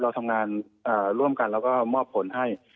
เราทำงานร่วมกันแล้วก็มอบผลให้